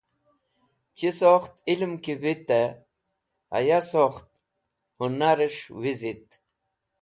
Chiz sokht ilẽm ki vitẽ haya sokht hũnarẽs̃h wizit.